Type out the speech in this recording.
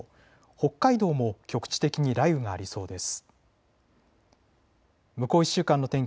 北海道も局地的に雷雨がありそうです。